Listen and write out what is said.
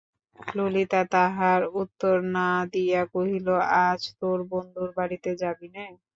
ললিতা তাহার উত্তর না দিয়া কহিল, আজ তোর বন্ধুর বাড়িতে যাবি নে?